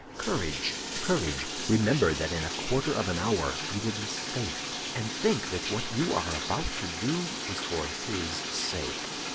"Courage, courage! remember that in a quarter of an hour you will be safe; and think that what you are about to do is for his sake."